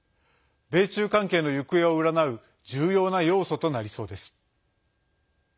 米中関係の行方を占う重要な要素となりそうです。